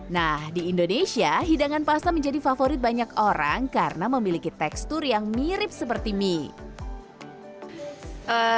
nah di indonesia hidangan pasta menjadi favorit banyak orang karena memiliki tekstur yang mirip seperti mie